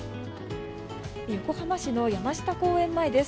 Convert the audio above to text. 横浜市の山下公園前です。